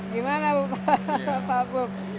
gimana bapak bu